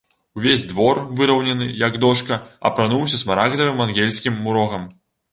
Увесь двор, выраўнены, як дошка, апрануўся смарагдавым ангельскім мурогам.